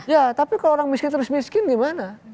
ya tapi kalau orang miskin terus miskin gimana